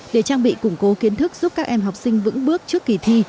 để trang bị củng cố kiến thức giúp các em học sinh vững bước trước kỳ thi